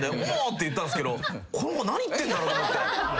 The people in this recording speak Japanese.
って言ったんですけどこの子何言ってんだろう？って。